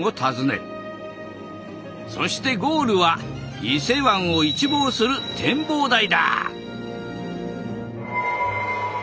そしてゴールは伊勢湾を一望する展望台だ。